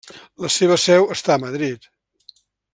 La seva seu està a Madrid.